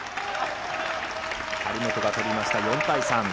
張本が取りました、４対３。